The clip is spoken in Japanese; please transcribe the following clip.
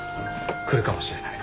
来るかもしれない。